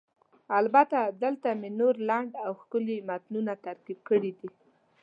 البته، دلته مې نور لنډ او ښکلي متنونه ترتیب کړي دي: